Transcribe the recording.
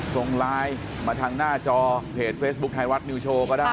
ส่งไลน์มาทางหน้าจอเพจเฟซบุ๊คไทยรัฐนิวโชว์ก็ได้